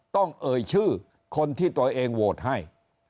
เอ่ยชื่อคนที่ตัวเองโหวตให้